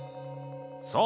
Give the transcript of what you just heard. そう。